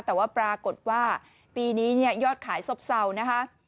แต่ว่าปรากฏว่าปีนี้เนี่ยยอดขายซบเศร้านะคะ